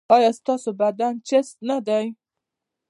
ایا ستاسو بدن چست نه دی؟